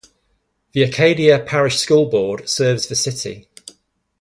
The Acadia Parish School Board serves the city.